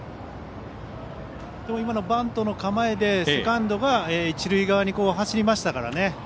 バントの構えでセカンドが一塁側に走りましたからね。